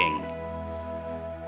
gue udah bahas